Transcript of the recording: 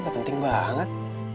gak penting banget